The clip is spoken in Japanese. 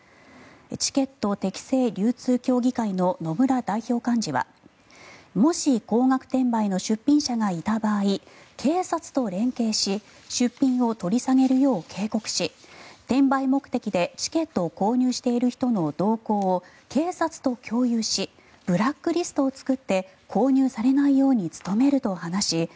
チケット適正流通協議会の野村代表幹事はもし高額転売の出品者がいた場合警察と連携し出品を取り下げるよう警告し転売目的でチケットを購入している人の動向を警察と共有しブラックリストを作って購入されないように努めると話し